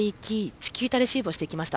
チキータレシーブをしていきました。